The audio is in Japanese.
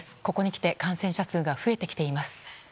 ここにきて感染者数が増えてきています。